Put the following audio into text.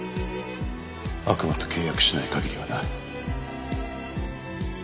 悪魔と契約しない限りはな。